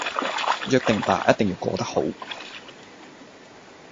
約定吧......一定要過得好